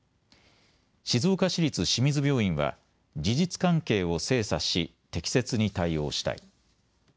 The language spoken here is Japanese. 静岡市立清水病院は事実関係を精査し適切に対応したい。